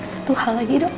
satu hal lagi dong